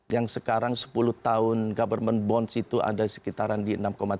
yang sekarang sepuluh tahun government bonds itu ada sekitaran di enam tiga